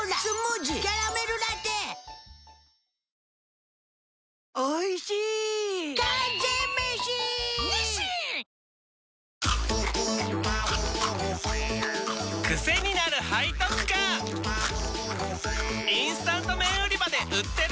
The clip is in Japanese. チキンかじり虫インスタント麺売り場で売ってる！